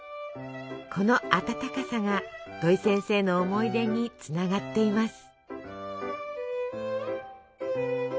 この温かさが土井先生の思い出につながっています。